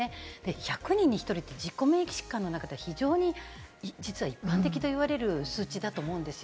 １００人に１人って自己免疫疾患の中では非常に実は一般的と言われる数値だと思うんです。